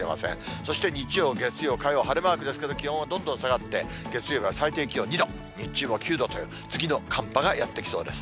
そして日曜、月曜、火曜、晴れマークですけど、気温はどんどん下がって、月曜日が最低気温２度、日中も９度という、次の寒波がやって来そうです。